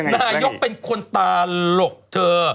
นายกเป็นคนตาหลกเธอ